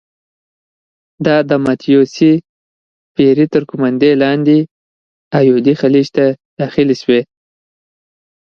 دا د متیو سي پیري تر قوماندې لاندې ایدو خلیج ته داخلې شوې.